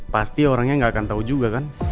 pasti orangnya nggak akan tahu juga kan